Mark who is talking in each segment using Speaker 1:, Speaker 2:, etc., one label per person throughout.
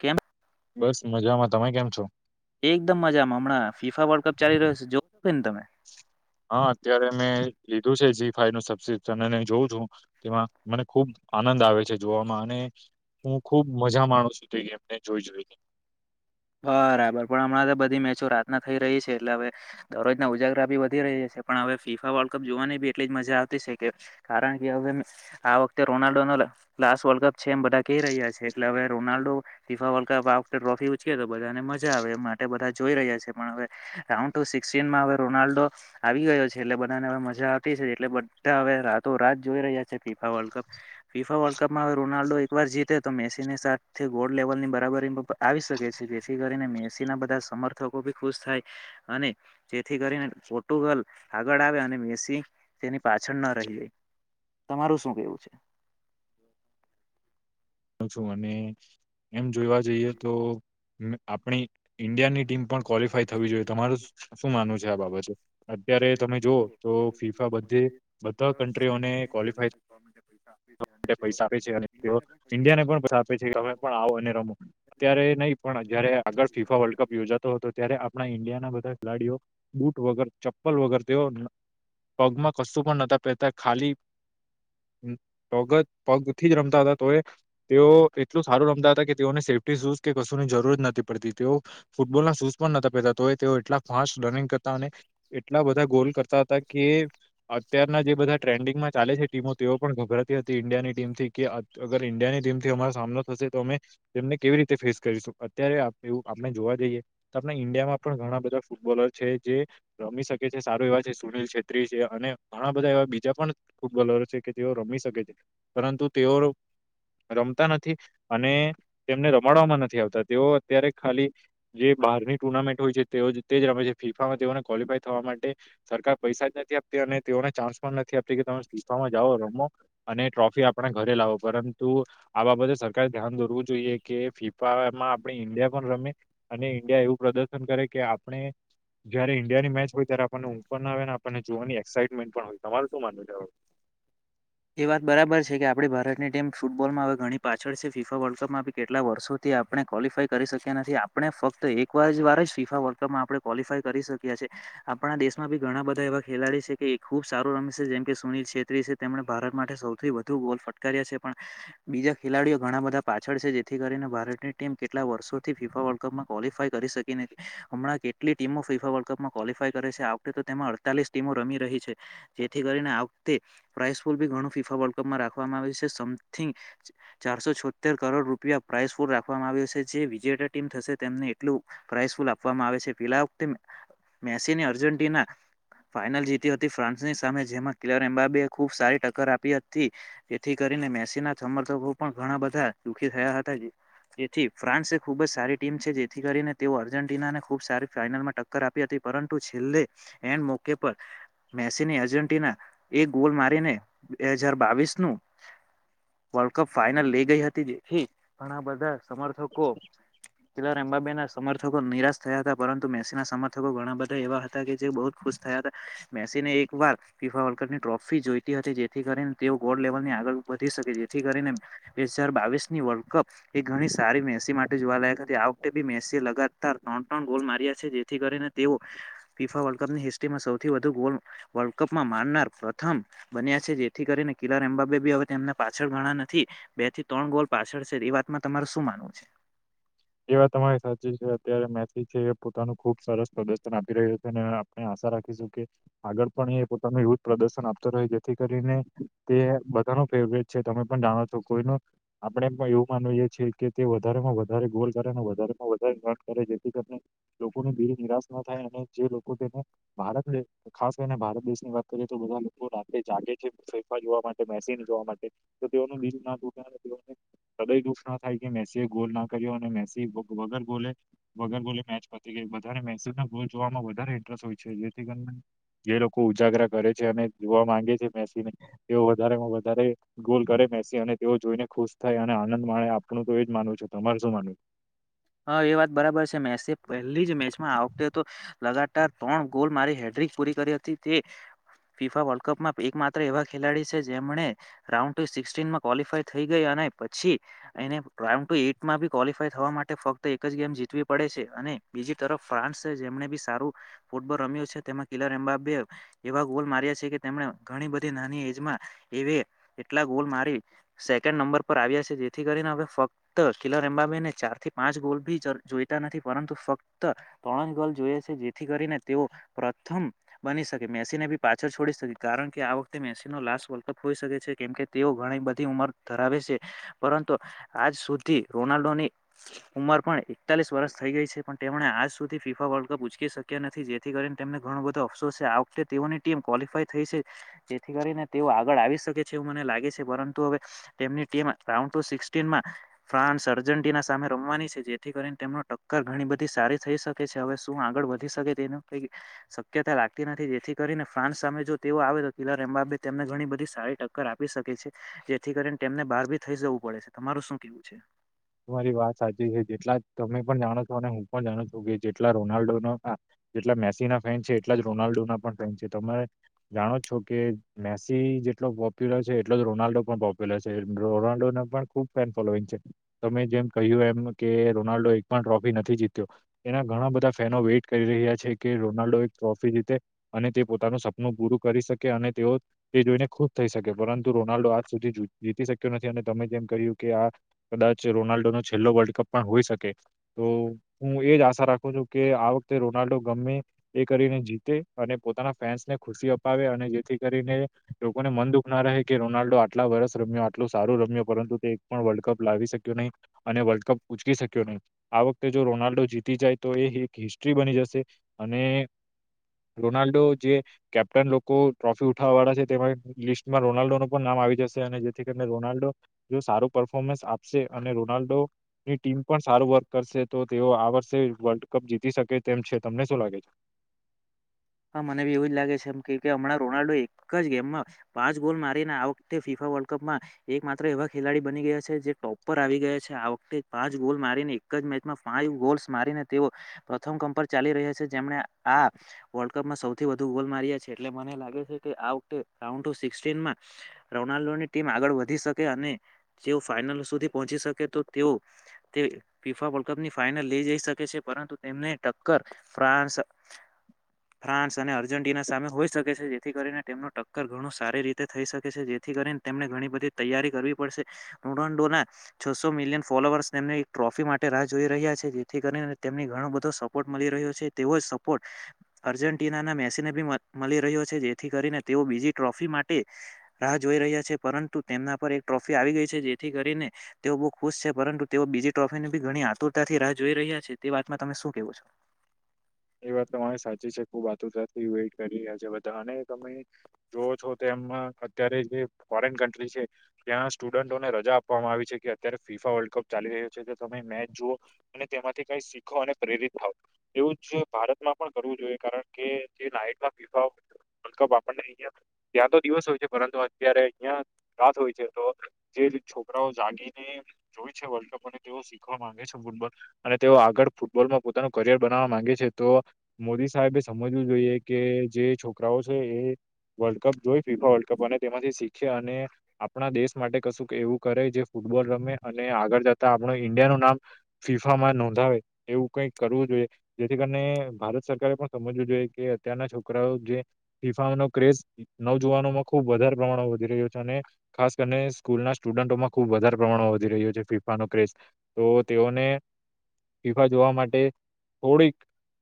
Speaker 1: કેમ?
Speaker 2: બસ મજામાં. તમે કેમ છો?
Speaker 1: એકદમ મજામાં. હમણાં ફીફા વર્લ્ડ કપ ચાલી રહ્યો છે જો
Speaker 2: હા અત્યારે મેં લીધું જી ફાઈ નું સબક્રિપ્શન અને જોઉં છું. તેમાં મને ખુબ આનંદ આવે છે જોવામાં, અને હું ખુબ મજા માણું છું તો જોઈ એમને જોઈ-જોઈ ને.
Speaker 1: બરાબર પણ હમણાં તો બધી મેચો રાતના થઈ રહી છે, એટલે હવે દરરોજના ઉજાગરા બી વધી રહે છ પણ હવે ફીફા વર્લ્ડ કપ જોવાની બી એટલી જ મજા આવતી શે કે કારણ કે હવે આ વખતે રોનાલ્ડોનો લાસ્ટ વર્લ્ડ કપ છે એમ બધા કેહ રહ્યા છે એટલે હવે રોનાલ્ડો ફીફા વલ્ કપ આ વાક્યે ટ્રોફી ઉચકે તો બધાને મજા આવે એમ માટે બધા જોઈ રહ્યા છે પણ હવે રાઉડ ટુ સિક્ટીનમાં હવે રોનાલ્ડો આવી ગયો છે એટલે બધાને હવે મજા આવતી છે એટલે બધા હવે રાતો રાત જોઈ રહ્યા છે FIFA world cup. FIFA world કપમાં હવે રોનાલ્ડો એકવાર જીતે તો મેસીને સાથથી ગોડ લેવલની બરાબરી મ આવી શકે. [unintelligible] જેસી કરીને મેસી ના બધા સમર્થકો ભી ખુશ થાય અને જેથી કરીને પોર્ટુ ગલ આગળ આવે અને મેસી તેની પાછળ ન રહી રે. તમારું શું કેવું છે?
Speaker 2: [unintelligible] છું અને એમ જોવા જઈએ તો આપણી ઈન્ડિયાની ટીમ પણ ક્વોલિફાય થવી જોઈએ તમારું શું માનવું છે આ બાબતે? અત્યારે તમે જોવો તો ફીફા બધે બધા કન્ટ્રીઓને ક્વોલિફાય માટે પૈસા આપે છે. અને પ્યો ઈન્ડિયા ને પસ આપે છે તમે પણ આવો અને રમો. અત્યારે નહી પણ જયારે આગળ ફીફા વર્લ્ડ કપ યોજાતો હતો તો ત્યારે આપણા ઈન્ડિયાના બધા ખિલાડીઓ બુટ વગર, ચપ્પલ વગર તેઓ પગમાં કશું પણ નતા પેરતા ખાલી પગ પગથી જ રમતા હતા તો એ તેઓ કેટલું સારું રમતા હતા કે તેઓને સેફ્ટી શૂઝ કે કશું ની જરૂર જ નથી પડતી તેઓ ફૂટબોલ ના શૂઝ પણ નહતા પેહતા તોય તેઓ એટલા ફાસ્ટ રનિંગ કરતા અને એટલા બધા ગોલ કરતા હતા કે અત્યારના જે બધા ટ્રેન્ડિંગમાં ચાલે છે ટીમો તેઓ પણ ગભરાતી હતી ઇન્ડિયાની ટીમથી કે અગર ઈન્ડિયાની ટીમ થી અમારો સામનો થશે તો અમે તેમને કેવી રીતે ફેસ કરીશું? અત્યારે આપ એવું આપને જોવા જઈએ તો આપણા ઈન્ડિયામાં પણ ઘણા બધા ફૂટબોલર છે જે રમી શકે છે સારું એવા છે સુનિલ છેત્રી અને ઘણા બધા એવા બીજા પણ ફૂટબોલરો છે કે જેઓ રમી શકે છે, પરંતુ તેઓ
Speaker 1: હ
Speaker 2: રમતા નથી અને તેમને રમાડવામાં નથી આવતા તેઓ અત્યારે ખાલી જે બ ની ટુર્નામેન્ટ હોય છે તેઓ તે જ રમે છે ફીફામાં તેઓને કોલીફાય થવા માટે સરકાર પૈસા જ નથી આપતી અને તેઓને ચાન્સ પણ નથી આપતી કે તમે ફીફા જાઓ રમો અને
Speaker 1: ટ્રોફી આપણે
Speaker 2: આપણા ઘરે લાવો
Speaker 1: [inaudible]
Speaker 2: પરંતુ આ બાબતે સરકારે ધ્યાન દોરવું જોઈએ કે ફીફામાં આપણે ઈન્ડિયા પણ રમે અને ઇન્ડિયા એવું પ્રદર્શન કરે કે આપણે જયારે ઈન્ડિયાની મેચ હોય ત્યારે આપણને ઊંટ પણ ના આવે ને આપણને જોવાની એક્સાઇટમેન્ટ પણ હોય. તમારું શું માનવું છે આ બાબતે?
Speaker 1: એ વાત બરાબર છે કે આપડે ભારત ની ટીમ ફૂટબોલમાં હવે ઘણી પાછળ છે, ફીફા વર્લ્ડ કપમમાં કેટલા વર્ષોથી આપણે ક્વોલિફાઇ કરી શક્યા નથી, આપ ડે ફક્ત એકવાર વાર ફીફા વર્લ્ડ કપમાં આપણે ક્વોલિફાય કરી શકી્યા છે, આપણા દેશમાં બી ઘણા બધા એવા એવા ખેલાડી છે કે એ ખૂબ સારું રમશે જેમ કે સુનિલ છેત્રી છે તેમણે ભારત માટે સૌ થી વધુ બોલ ફટકાર્યા છે પણ બીજા ખેલાડીઓ ઘણા બધા પાછળ છે જેથી કરીને ભારતની ટીમ કેટલા વર્ષોથી ફીફા વર્લ્ડ કપમાં ક્વોલિફાય કરી શકી નથી. હમણાં કેટલી ટીમો ફીફા વર્લ્ડ કપમાં ક્વોલિફાય કરે છે. આવ વક્તે તેમાં અડતાલીસ ટીમો રમી રહી છે, જેથી કરીને આ વક્તે પ્રાસફુલ બી ઘણું ફીફા વલ કપમાં રાખવામાં આવી છે સમથિંગ ચારસો છોતેર કરોડ રૂપિયા પ્રાઇસ ફો રાખવામાં આવ્યુ છે, જે જે વિજેટા ટીમ થશે તેમને એટલું પ્રાઇઝફુલ આપવામાં આવે છે, પેલા વખતે મેસી ને અર્જેન્ટિના ફાઇનલ જીતી હતી ફ્રાન્સની સામે જેમાં કિલર એમ્બાબેએ ખૂબ સારી ટક્કર આપી હ થી જે થી કરીને મેસીના સમર્થકો પણ ઘણા બધા દુખી થયા હતા જેથી ફ્રાન્સ એ ખુબ જ સારી ટીમ છે જેથી કરીને તેઓ અર્જેન્ટિનાને ખુબ સારી ફાઈનલ માં ટક્કર આપી હતી, પરંતુ છેલ્લે એન્ડ મોકે પર મેસીની અર્જેન્ટિના એ ગોલ મારીને બે હજાર બાવીસ નું વર્લ્ડ કપ ફાઈનલ લે ગઈ હતી જેથી પણ આ બધા સમર્થકો પેલા એમબાબે ના સમર્થકો નિરાશ થયા હતા પરંતુ મેસીના સમર્થકો ઘણા બધા એવા હતા કે જે બહુ જ ખુશ થયા હતા. મેસીને એક વાર ફીફા વલકપની ટ્રોફી જોઈતી હતી જેથી કરીન તેઓ ગોલ્ડ લેવલ ની આગળ વધી શકે જેથી કરીને બે હજાર બાવીસ ની વર્લ્ડ કપ એ ઘણી સારી મે મેસી માટે જોવાલાય હતી આ વખતે બી મેસી લગાતાર ત્રણ ત્રણ ગોલ માર્યા છે જેથી કરીને તેઓ ફીફા વર્લ્ડ કપની હિસ્ટ્રીમાં સૌથી વધુ ગોલ વર્લ્ડ કપમાં માનનાર પ્રથમ બન્યા છે જે થી કરીને કિલાર એમ્બાબે બી હવે એમને પાછળ ઘણા નથી બે થી ત્રણ ગોલ પાછળ છે એ વાતમાં તમારે શું મા નવું છે.
Speaker 2: એ વાત તમારી સાચી છે, અત્યારે મેસી છે એ પોતાનું ખુબ સરસ પ્રદર્શન આપી રહ્યું છે અને આપ સા રાખીશું કે આગળ પણ એ પોતાનું એવું જ પ્રદર્શન આપતો રહે જેથી કરીને તે બધાનુ ફેવરેટ છે, તમે પણ જાણો છો કોઈ નો આપણે પણ એવું માનુ એ છે કે તે વધારે માં વધારે ગોલ વધારેમાં વધારે વધે કરે જેથી કરીને લોકોને નિરાશ ના થાય અને જે લોકો તેને ભારતે ખાસ કરીને ભારત દેશની વાત કરીએ તો બધા લોકો રાતે જાગે છે, ફીફા જોવા માટે મેસીને જોવા માટે તો તેઓને [unintelligible] ના થાય કે મેસી ગોલ ના કર્યો અને મે સી ગલ વગર ગોલે વગર ગોલે મેચ પતી ગઈ બધાને જોવામાં વધારે ઇન્ટરેસ્ટ હોય છે. જેથી કરને જે લોકો ઉજાગરા કરે છે, અને જોવા માંગે છે મેસીને તેઓ વધારેમાં વધારે ગોલ કરે બેસી અને તેઓ જોઈને ખુશ થાય અને આનંદ માણે આપણું તો એજ માનુંવ છે તમારે શું માનુ છે?
Speaker 1: હા એ વાત બરાબર છે મેસી એ પહેલી જ મેચમાં આ વખતે તો લગાતાર ત્રણ ગોલ મારી હેડ ટ્રિક પૂરી કરી હતી તે ફીફા વર્લ્ડ કપમાં એક માત્ર એવા ખેલાડી છે જેમને રાઉન્ડુ સિક્સટીનમાં ક્વોલિફાય થઈ ગઈ આ ને પછી એને પ્રાઈમ ટુ એટમા ક્વોલિફાઇડ થવા માટ ફક્ત એક જ ગેમ જીતવી પડે છે, અને બીજી તરફ ફ્રાન્સે જેમને બી સારું ફૂટબોલ રમ્યું છે. તેમાં કિલર એમ્બાબે એવા ગોલ માર્યા છે કે તેમણે ઘણી બધી નાની એજમાં એ કેટલા ગોલ મારી સેકન્ડ નંબર પર આવ્યા છે, જેથી કરીને હવે ફક્ત કીલર અમબાબેને ચારથી પાંચ ગોલ ભી જ જોઈતા નથી પરંતુ ફક્ત ત્રણ જ ગોલ જોઈએ છે જેથી કરીને તેઓ પ્ર થમ બની શકે મેસી ને ભી પાછળ છોડી શકે કારણ કે આ વખતે મેસી નો લાસ વર્લ્ડ કપ હોઈ શકે છે, કેમ કે તેઓ ઘણી બધી ઉંમર ધરાવે છે પરંતુ આજ સુધી રોનાલ્ડોની ઉંમર પણ એકતાલીસ વર્ષ થઈ ગઈ છે, પણ તેમણે આજ સુધી ફીફા વર્લ્ડ કપ ઉચકી શક્યા નથી જેથી કરીને તેમને ઘણો બધો અફસોસ છે, આ વખતે તેઓની ટીમ ક્વોલફાય થઈ છે, જેથી કરીને તેઓ આગળ આવી શકે છે. એવું મને લાગે છે, પરંતુ હવે તેમની ટીમ રાઉન્ડ ટુ સિક્સટીનમાં ફ્રાન્સ અર્જેન્ટિના સામે રમવાની છે, જેથી કરીને તેમનો ટક્કર ઘણી બધી સારી થઈ શકે છે હવે શું આગળ વધી શકે તેનું કંઈ શક્યતા લાગતી નથી જેથી કરીને ફ્રાન્સ સામે જો તેઓ આવે તો કિલર એમબાબે તેમને ઘણી બધી સારી ટ ક્કર આપી શકે છે, જેથી કરીને તેમને બહાર ભી થઈ જવું પડે છે તમારું શું કેવું છે?
Speaker 2: તારી વાત સાચી છે, જેટલા તમે પણ જાણો છો અને હું પણ જાણ છું કે જેટલા રોનાલ્ડોનો આ જેટ મેસી ના ફેન છે, એટલા જ રોનાલ્ડો ના પણ ફેન છે, તમે જાણો છો કે મેસી જેટલો પોપ્યુલર છે, એટલો જ રોનાલ્ડો પણ પોપ્યુલર છે, રોનાલ્ડોને પણ ખુબ ફેન ફોલોઈંગ છે. તમે જેમ કહ્યું એમ કે રોનાલ્ડો એક પણ ટ્રોફી નથી જીત્યો એના ઘણા બધા ફેનો વેઇટ કરી રહ્યા છે કે રોનાલ્ડો એક ટ્રોફી જીતે અને તે પોતાનું સપનું પૂરું કરી શકે અને તેઓ જોઈને ખુબ થઈ શકે પરંતુ રોનાલ્ડો આજ સુધી જીતી શક્યો નથી અને તમે તેમ કહ્યું કે આ કદાચ રોનાલ્ડો નો છેલ્લો વર્લ્ડ કપ પણ હોઈ શકે તો હું એ જ આશા રાખું છું કે આ વ ખતે રોનાલ્ડો ગમે એ કરીને જીતે અને પોતાના ફેન્સને ખુશી અપાવે અને જેથી કરીને લોકોને મન દુઃખ ના રહે કે રોનાલ્ડો આટલા વર્ષ રમ્યો આટલું સારું રમ્યો પરંતુ તે એક પણ વર્લ્ડ કપ લાવી શક્યો નહી અને વર્લ્ડ કપ ઉચકી શક્યો નહીં આ વખતે જો રોનાલ્ડો જીતી જાય તો એ એક હિસ્ટ ટ્રી બની જશે અને રોનાલ્ડ ડો જે કેપ્ટન લોકો ટ્રોફી ઉઠાવવા વાળા છે તેમા લિસ્ટ માં રોનાલ્ડો નુ પણ નામ આવી જશે અને જેથી કરીને રોનાલ્ડો જો સારું પરર્ફોર્મન્સ આપશે અને રોનાલ્ડો ની ટીમ પણ સારું વર્ક કરશે તો તેઓ આ વર્ષે વર્લ્ડ કપ જીતી શકે તેમ છે. તમને શું લાગે છે?
Speaker 1: [inaudible] હા મને બી એવું જ લાગે છે કેમ કે હમણાં રોનાલ્ડો એક જ ગેમમાં પાંચ ગોલ મારીને આ વખતે ફિફા વલ્ડ કપમાં એક માત્ર એવા ખેલાડી બની ગયા છે, જે ટોપ પર આવી ગયા છે, આ વખતે પાંચ ગોલ મારીને એક જ મેચમાં ફાઇવ ગોલ્સ મારીને તેઓ પ્રથમ ક્રમ પર ચાલી રહ્યા છે જેમને આ વર્લ્ડ કપમાં સૌથી વધુ ગોલ માર્યા છે એટલે મને લાગે છે કે આ વકતે રાઉન્ડ ટુ સિક્સટીનમાં ર નાલ્ડોની ટીમ આગળ વધી શકે અને જેઓ ફાઈનલ સુધી પહોંચી શકે તો તેઓ તે ફીફા વર્લ્ડ કપ ની ફાઈનલ લઈ જઈ શકે છે પરંતુ તેમને ટક્કર ફ્રાન્સ ફ્રાન્સ અને અર્જેન્ટિના સામે હોઈ શકે છે જેથી કરીને તેમનું ટક્કર ઘણું સારી રીતે થઈ શકે છે જેથી કરીને તેમને ઘણી બધી તૈયારી કરવી પડશે રોનાન્ડોના છસો મિલિયન ફોલોઅર્સ તેમની એક ટ્રોફી માટે રાહ જોઈ રહ્યા છે જેથી કરીને તેમને ઘણો બધો સપોર્ટ મળી રહ્યો છે તેવો જ સપોર્ટ અર્જેન્ટિનાના મેસીને બી મ મલી રહ્યો છે જેથી કરીને તેઓ બીજી ટ્રોફી માટે રાહ જોઈ રહ્યા છે પરંતુ તેમના પર એક ટ્રોફી આવી ગઈ છે જેથી કરીને તેઓ બો ખુશ છે પરંતુ તેઓ બીજી ટ્રો ટ્રોફીની બી ઘણી આતુરતાથી રાહ જોઈ રહ્યા છે તે વાતમાં તમે શું કેવો છો?
Speaker 2: એ વાત તમારી સાચી છે. ખુબ આતુરતાથી વેટ કરી રહ્યા છે બધા અને તમે જોઓ છો તે માં અત્યારે જે ફોરેન કન્ટ્રી છે ત્યાં સ્ટુડન્ટોને રજા આપવામાં આવી છે કે અત્યારે ફીફા વર્લ્ડ કપ ચાલી રહ્યો છે તો તમે મેચ જોવો અને તેમાંથી કઈ શીખો અને પ્રેરિત થાવ એવું જ ભારતમાં પણ કરવું જોઈએ કારણ કે જે નાઇટમાં ફીફા ઓ વર્લ્ડ કપ આપનને અહિયા ત્યાં તો દિવસ હોય છે પરંતુ અત્યારે અહિયાં રાત હોય છે તો જે જે છોકરાઓ જાગીને જોય છે વર્લ્ડ કપ અને તેઓ શીખવા માંગે છે ફૂટબોલ અને તેઓ આગળ ફૂ બોલમાં પોતાનું કરિયર બનાવા માંગ છે તો મોદી સાહેબે સમજવું જોઈએ કે જે છોકરાઓ છે એ વર્લ્ડ કપ જોઈ ફીફા વર્લ્ડ કપ અને તેમાંથી શીખે અને આપણા દેશ માટે કશુંક એવું કરે જે ફૂ ફૂટબોલ રમે અને આગળ જતા આપણ ઈન્ડિયાનું નામ ફીફામાં નોંધાવે એવું કઈક કરવું જોઈએ જેથી કરીને ભારત સરકારે પણ સમજવું જોઈએ કે અત્યારના છોકરાઓ જે ફીફાઓનો ક્રેઝ નવજુવાનોમાં ખુબ વધારે પ્રમાણમાં વધી રહ્યો છે અને ખાસ કરીને સ્કૂલના સ્ટુડ માં ખુબ વધારે પ્રમાણ વધી રહ્યો છે ફીફાનો ક્રેઝ તો તેઓને ફીફા જોવા માટે થોડીક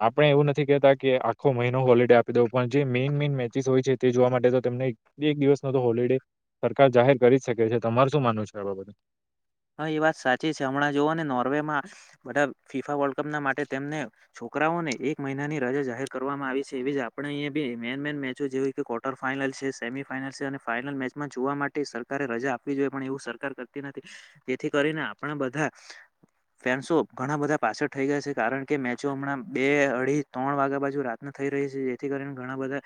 Speaker 2: આપણે એવું નથી કેતા કે આખો મહિનો હોલિડે આપી દવ પણ જે મેઇન મેન મેચિસ હોય છે તે જોવા માટે તો તેમને એક દિવસનો તો હોલિ તે સરકાર જાહેર કરી શકે છે. તમાર શું માનવું છે આ બાબતે?
Speaker 1: હા એ વાત સાચી છે હમણાં જોઓને નોર્વેમાં બધા ફીફા વર્લ્ડ કપ ના માટે તેમને છોકરાઓને એક મહિનાની રજા જાહેર કરવામાં આવી છે એવી જ આપણે અહીંયા બી મેન મેન મેચો જેવી કે કર્ટર ફાઈન ફાઇનલ છે સેમીફાઈનલ છે અને ફાઈનલ મેચમાં જોવા માટે સરકારે રજા આપવી જોઈએ પણ એવું સરકાર કરતી નથી. જેથી કરીને આપણા બધા ફેન્સો ઘણા બધા પાછળ થઈ ગયા છે કારણ કે મેચો હમણાં બે અઢી ત્રણ વાગ્યા બાજુ રાત ના થઈ રહી છે જેથી કરીને ઘણા બધા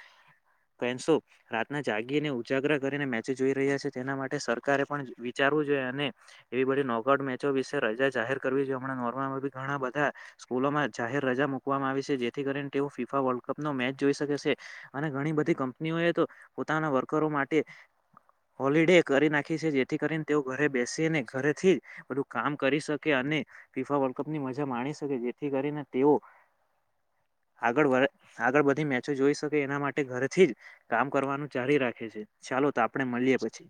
Speaker 1: ફ્રેન્ડ્સો રાતના જાગીને ઉજાગ્ર કરીને મેચ જોઈ રહ્યા છે તેના માટે સરકારે પણ વિચાર કરું જોઈએ અને એવી બધી નોકઆઉટ મેચો વિશે રજા જાહેર કરવી જોઈએ હમણા નોર્મામાં બી ઘણા બધા સ્કૂલોમાં જાહેર રજા મૂકવામાં આવી છે જેથી કરીને તેઓ ફિફા વર્લ્ડ કપ નો મેચ જોઈ શકે છે અને ઘણી બધી કંપનીએ તો પોતાના વર્કરો માટે હોલીડે કરી નાખી છે જેથી કરીને તેઓ ઘરે બેસીને ઘરેથી જ બધું કામ કરી શકે અને ફીફા વર્લ્ડ કપ ની મજા માણી શકે જેથી કરીને તેઓ [inaudible] આગળ આગળ બધી મેચો જોઈ શકે એના માટે ઘરેથી જ કામ કરવાનું જારી રાખે છે ચાલો તો આપ આપણે મળીએ પછી.